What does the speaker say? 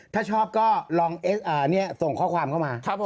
ถ้าชอบก็ลองส่งข้อความเข้ามา